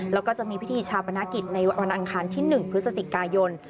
แล้วก็จะมีพิธีชาปนกิจในวันอังคารที่๑พฤศจิกายน